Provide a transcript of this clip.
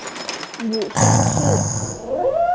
母宣氏。